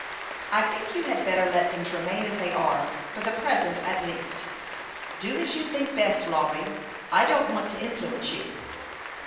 "I think you had better let things remain as they are, for the present, at least. Do as you think best, Lawry. I don't want to influence you."